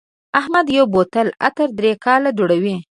احمد یو بوتل عطر درې کاله دوړوي.